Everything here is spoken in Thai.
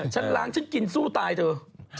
ฉันล้างฉันกินสู้ตายเถอะ